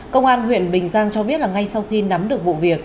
công an huyện bình giang cho biết là ngay sau khi nắm được vụ việc